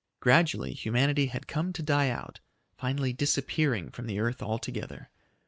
Gradually humanity had come to die out, finally disappearing from the earth altogether.